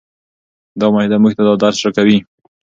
دا معاهده موږ ته دا درس راکوي.